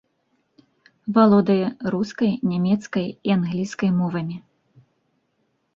Валодае рускай, нямецкай і англійскай мовамі.